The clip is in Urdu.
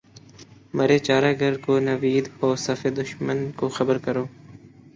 مرے چارہ گر کو نوید ہو صف دشمناں کو خبر کرو